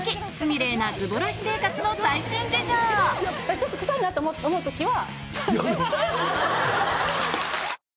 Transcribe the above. ちょっと臭いなって思う時は。